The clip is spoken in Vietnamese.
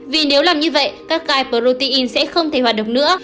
vì nếu làm như vậy các ga protein sẽ không thể hoạt động nữa